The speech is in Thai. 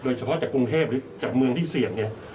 เฉพาะจากกรุงเทพหรือจากเมืองที่เสี่ยงเนี่ย